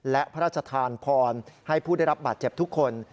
และพระราชทานพรให้ผู้ได้รับบาดเจ็บทุกคน